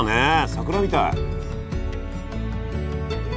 桜みたい。